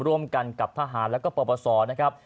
ร่วมกันกับทหารด้วยก็ปรับประสบสอบ